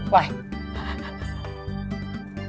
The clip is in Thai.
ไหว